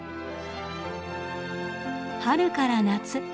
春から夏。